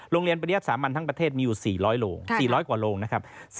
โรงเรียนปริยัติสามัญทั้งประเทศมีอยู่๔๐๐โรง๔๐๐กว่าโรงนะครับ